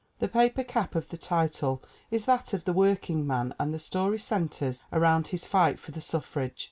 The paper cap of the title is that of the workingman and the story centers around his fight for the suffrage.